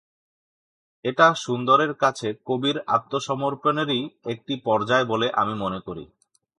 এটা সুন্দরের কাছে কবির আত্মসমর্পণেরই একটি পর্যায় বলে আমি মনে করি।